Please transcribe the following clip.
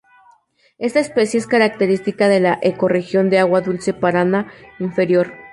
Esta especie es característica de la ecorregión de agua dulce Paraná inferior.